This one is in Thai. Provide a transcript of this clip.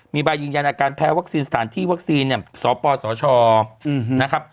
มีใบยืนยันอาการแพ้วัคซีนสถานที่วัคซีนเนี่ยสปสชนะครับ